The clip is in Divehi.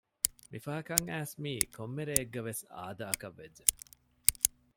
މި ފަހަކައް އައިސް މީ ކޮއްމެ ރެއެއްގެވެސް އާދައަކައްވެއްޖެ